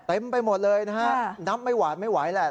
ไปหมดเลยนะฮะนับไม่หวานไม่ไหวแหละ